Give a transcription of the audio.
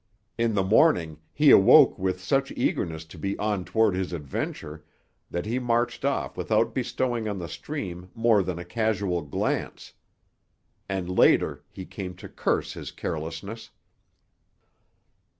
In the morning he awoke with such eagerness to be on toward his adventure that he marched off without bestowing on the stream more than a casual glance. And later he came to curse his carelessness.